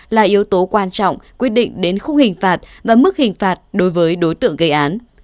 là yếu tố quan trọng quyết định đến khung hình phạt và mức hình phạt đối với đối tượng gây án